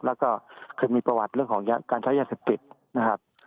แล้วก็เคยมีประวัติเรื่องของการใช้ยาเสพติดนะครับ